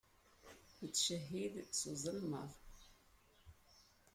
Ittcehhid s uzelmaḍ.